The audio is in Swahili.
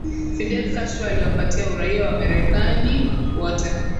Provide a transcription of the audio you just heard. Fidel Castro aliwapatia uraia wamarekani wote